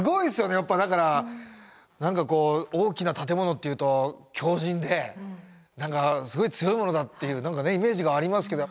やっぱだから何かこう大きな建物っていうと強じんですごい強いものだっていうイメージがありますけど。